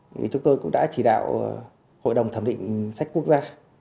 thì chúng tôi cũng đã chỉ đạo hội đồng thẩm định sách quốc gia